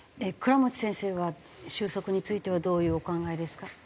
倉持先生は収束についてはどういうお考えですか？